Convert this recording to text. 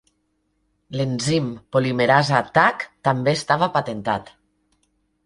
L'enzim polimerasa "Taq" també estava patentat.